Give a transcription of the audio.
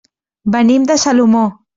Venim de Salomó.